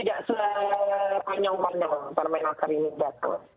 tidak seranyong panyong permenaker ini betul